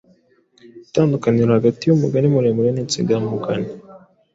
itandukaniro hagati y’umugani muremure n’insigamugani